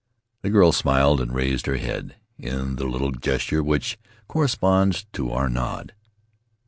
The girl smiled and raised her head in the little gesture which corresponds to our nod.